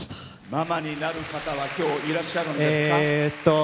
ママになる方は今日いらっしゃるんですか？